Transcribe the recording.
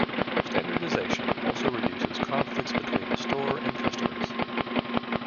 Standardisation also reduces conflicts between the store and customers.